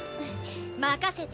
任せて。